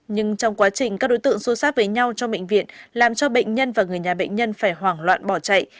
nhưng trong quá trình các đối tượng xô sát với nhau trong bệnh viện làm cho bệnh nhân và người nhà bệnh nhân phải hoảng loạn bỏ chạy